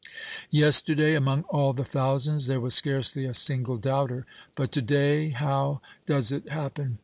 Yesterday, among all the thousands, there was scarcely a single doubter; but to day how does it happen?